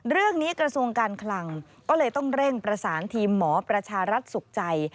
กระทรวงการคลังก็เลยต้องเร่งประสานทีมหมอประชารัฐสุขใจ